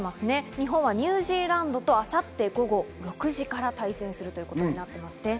日本はニュージーランドと明後日午後６時から対戦することになっています。